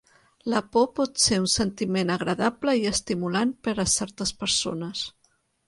La por pot ser un sentiment agradable i estimulant per a certes persones.